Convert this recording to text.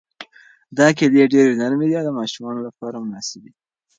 دا کیلې ډېرې نرمې دي او د ماشومانو لپاره مناسبې دي.